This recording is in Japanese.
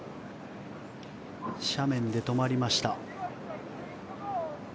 斜面で止まりました。